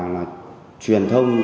là truyền thông